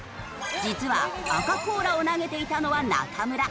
実はアカこうらを投げていたのは中村。